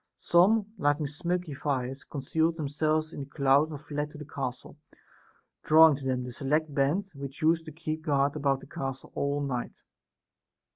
Some, lighting smoky fire, concealed themselves in the cloud and fled to the castle, drawing to them the select band which used to keep guard about the castle all night.